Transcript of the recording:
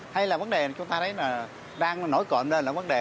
hay là vấn đề chúng ta thấy là đang nổi cộng lên là vấn đề